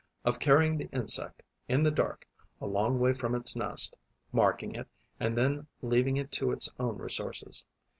of carrying the insect, in the dark, a long way from its nest, marking it and then leaving it to its own resources.